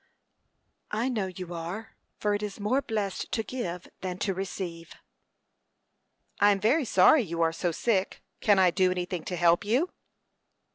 "I know you are; for it is more blessed to give than to receive." "I am very sorry you are so sick. Can I do anything to help you?"